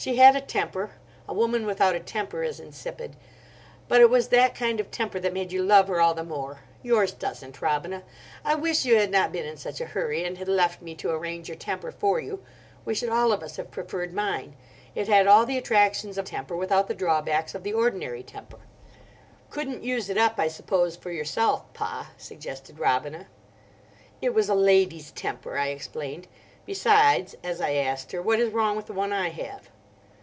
She had a temper—a woman without a temper is insipid; but it was that kind of temper that made you love her all the more. Yours doesn't, Robina. I wish you had not been in such a hurry, and had left me to arrange your temper for you. We should all of us have preferred mine. It had all the attractions of temper without the drawbacks of the ordinary temper." "Couldn't use it up, I suppose, for yourself, Pa?" suggested Robina. "It was a lady's temper," I explained. "Besides," as I asked her, "what is wrong with the one I have?"